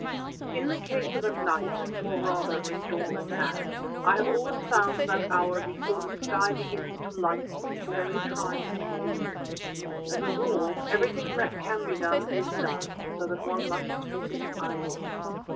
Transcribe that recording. In the case of a night, or rather a dawn attack, I have always found that hour before the sky begins to lighten very trying indeed. As a rule everything that can be done is done, so that one must sit idle.